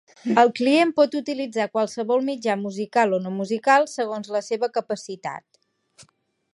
El client pot utilitzar qualsevol mitjà musical o no musical segons la seva capacitat.